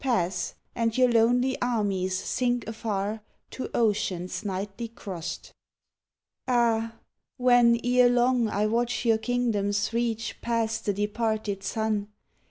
Pass, and your lonely armies sink afar To oceans nightly crost. 46 S'TJRS OF fHE NOON Ah! when, ere long, I watch your kingdoms reach Past the departed sun.